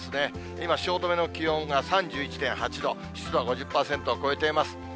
今、汐留の気温が３１．８度、湿度は５０％を超えています。